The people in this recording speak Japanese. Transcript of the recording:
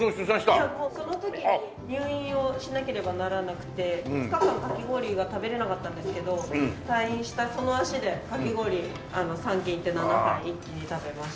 その時に入院をしなければならなくて２日間かき氷が食べられなかったんですけど退院したその足でかき氷３軒行って７杯一気に食べました。